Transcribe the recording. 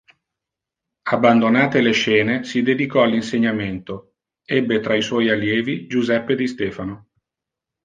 Abbandonate le scene, si dedicò all'insegnamento; ebbe tra i suoi allievi Giuseppe Di Stefano.